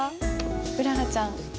うららちゃん。